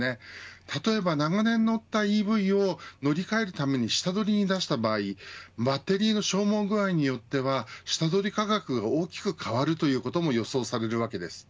例えば長年乗ったＥＶを乗り替えるために下取りに出した場合バッテリーの消耗具合によっては下取り価格が大きく変わるということも予想されるわけです。